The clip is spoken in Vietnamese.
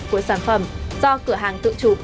của sản phẩm do cửa hàng tự chụp